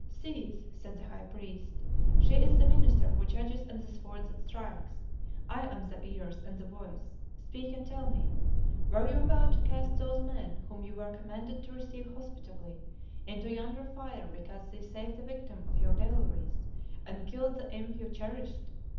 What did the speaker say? "Cease," said the high priest, "she is the Minister who judges and the Sword that strikes. I am the Ears and the Voice. Speak and tell me were you about to cast those men, whom you were commanded to receive hospitably, into yonder fire because they saved the victim of your devilries and killed the imp you cherished?